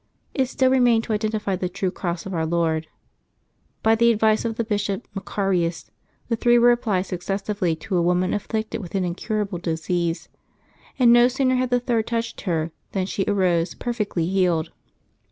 It still remained to identify the true cross of Our Lord. By the advice of the bishop, Macarius, the three were applied successively to a woman afflicted with an incurable disease, and no sooner had the third touched her than she arose, perfectly healed.